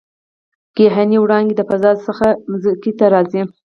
کیهاني وړانګې د فضا څخه ځمکې ته راځي.